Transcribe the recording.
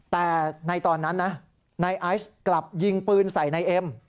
แต่ในตอนนั้นนะนายไอซ์กลับยิงปืนใส่นายเอ็ม